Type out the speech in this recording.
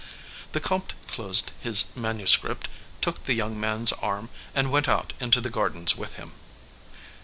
The comte closed his manuscript, took the young man's arm, and went out into the gardens with him.